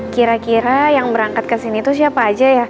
kira kira yang berangkat kesini tuh siapa aja ya